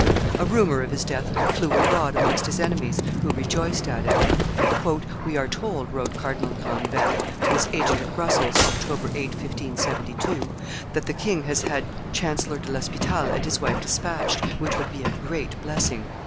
A rumor of his death flew abroad amongst his enemies, who rejoiced at it. "We are told," wrote Cardinal Granvelle to his agent at Brussels (October 8, 1572), "that the king has had Chancellor de l'Hospital and his wife despatched, which would be a great blessing."